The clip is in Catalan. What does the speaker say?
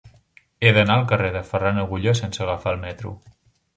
He d'anar al carrer de Ferran Agulló sense agafar el metro.